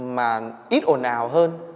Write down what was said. mà ít ổn ào hơn